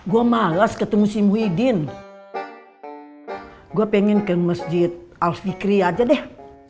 gua males ketemu si muhyiddin gua pengen ke masjid al fiqri aja deh